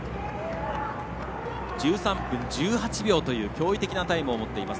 １３分１８秒という驚異的なタイムを持っています。